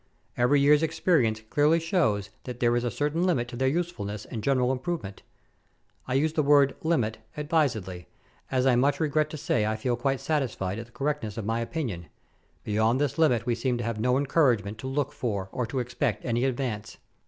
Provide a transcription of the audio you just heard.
Every year's experience clearly shows that there is a certain limit to their usefulness and general improvement. I use the word limit advisedly, as I much regret to say I feel quite satisfied of the correctness of my opinion beyond this limit we seem to have no encouragement to look for or to expect any advance.